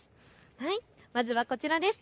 まずはこちらです。